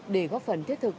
để góp phần thiết thực